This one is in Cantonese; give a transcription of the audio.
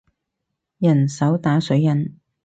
人手打水印